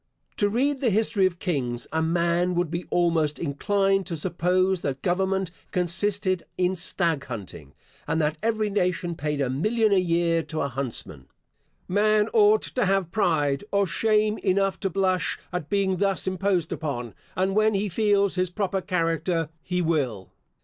To read the history of kings, a man would be almost inclined to suppose that government consisted in stag hunting, and that every nation paid a million a year to a huntsman. Man ought to have pride, or shame enough to blush at being thus imposed upon, and when he feels his proper character he will.